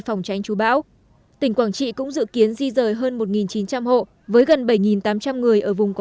phòng tránh chú bão tỉnh quảng trị cũng dự kiến di rời hơn một chín trăm linh hộ với gần bảy tám trăm linh người ở vùng có